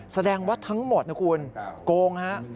แสดงว่าทั้งหมดโกง